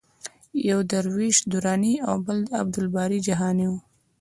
یو د درویش دراني او بل د عبدالباري جهاني و.